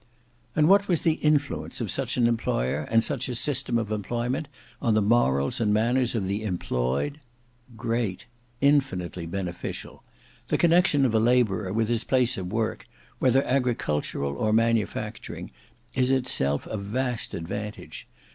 And what was the influence of such an employer and such a system of employment on the morals and manners of the employed? Great: infinitely beneficial. The connexion of a labourer with his place of work, whether agricultural or manufacturing, is itself a vast advantage.